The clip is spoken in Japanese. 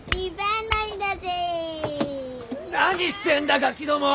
何してんだガキども！